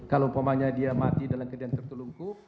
kalau umpamanya dia mati dalam keadaan tertulungku